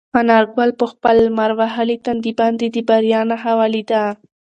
انارګل په خپل لمر وهلي تندي باندې د بریا نښه ولیده.